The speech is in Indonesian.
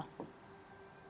jadi itu yang perlu dicarakan